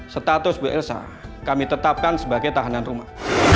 status bu elsa kami tetapkan sebagai tahanan rumah